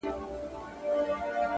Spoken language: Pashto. o گلي نن بيا راته راياده سولې،